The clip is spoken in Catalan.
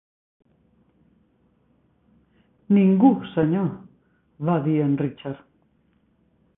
"Ningú, senyor", va dir en Richard.